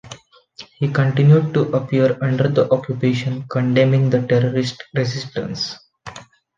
He continued to appear under the Occupation condemning the terrorist Resistance.